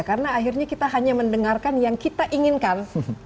karena akhirnya kita hanya mendengarkan yang kita inginkan